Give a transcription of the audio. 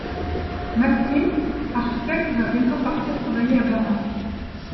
Maxim, architecte, va bientôt partir travailler à Berlin.